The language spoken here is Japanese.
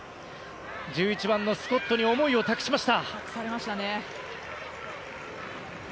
１１番のスコットに思いを託しました。